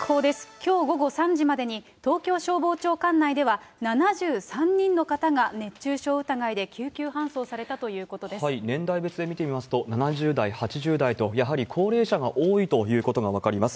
きょう午後３時までに、東京消防庁管内では７３人の方が熱中症疑いで救急搬送されたとい年代別で見てみますと、７０代、８０代と、やはり高齢者が多いということが分かります。